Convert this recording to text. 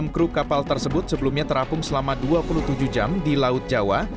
enam kru kapal tersebut sebelumnya terapung selama dua puluh tujuh jam di laut jawa